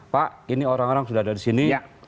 pak ini orang orang sudah ada di sini